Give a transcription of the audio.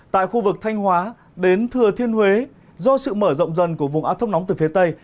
tại khu vực thanh hóa đến thừa thiên huế do sự mở rộng dần của vùng ác thấp nóng từ phía tây